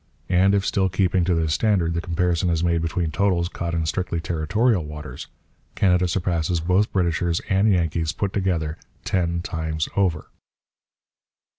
And if, still keeping to this standard, the comparison is made between totals caught in strictly territorial waters, Canada surpasses both Britishers and Yankees, put together, ten times over.